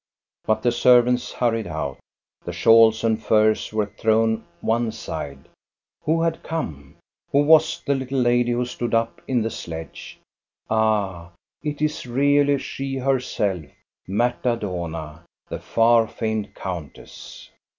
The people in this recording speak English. But the servants hurried out, the shawls and furs were thrown one side. Who had come? Who was the little lady who stood up in the sledge? Ah, it is really she herself, Marta Dohna, the far famed countess